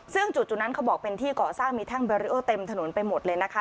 ซึ่งจุดนั้นเขาบอกเป็นที่ก่อสร้างมีแท่งแบริโอเต็มถนนไปหมดเลยนะคะ